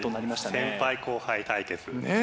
先輩後輩対決。